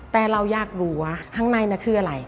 แต่เราอยากรู้ว่าข้างในคืออะไร